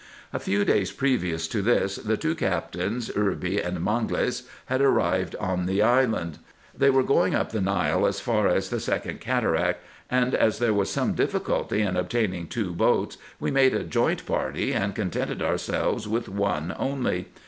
A few days previous to this the two captains, Irby and Mangles, had arrived in the island. They were going up the Nile, as far IN EGYPT, NUBIA, &c. 203 as the second cataract, and as there was some difficulty in ob taining two boats, we made a joint party, and contented ourselves with one only.